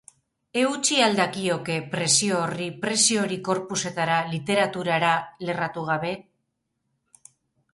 Eutsi al dakioke presio horri presio hori corpusetara, literaturara lerratu gabe?